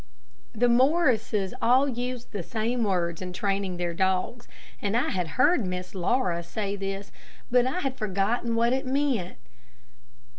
The Morrises all used the same words in training their dogs, and I had heard Miss Laura say this, but I had forgotten what it meant.